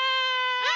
うん！